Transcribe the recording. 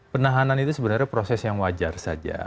penahanan itu sebenarnya proses yang wajar saja